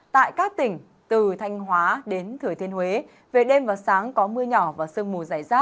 tại các tỉnh từ thanh hóa đến thời thiên huế về đêm và sáng có mưa nhỏ và băng giá